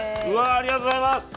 ありがとうございます！